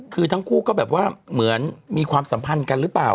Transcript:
คือทั้งคู่ก็แบบว่าเหมือนมีความสัมพันธ์กันหรือเปล่า